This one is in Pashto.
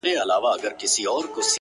لا به په تا پسي توېږي اوښکي ـ